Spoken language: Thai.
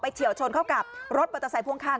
ไปเฉียวชนเข้ากับรถบัตรสายพวงข้าง